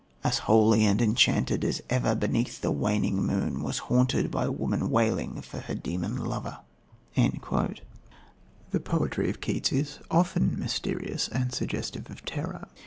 as holy and enchanted As e'er beneath a waning moon was haunted By woman wailing for her demon lover." The poetry of Keats is often mysterious and suggestive of terror.